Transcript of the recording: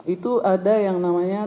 itu ada yang namanya